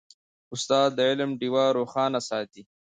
استاد د علم ډیوه روښانه ساتي.